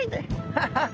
「ハハハ！」。